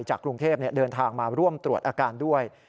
กรุงเทพเดินทางมาร่วมตรวจอาการด้วย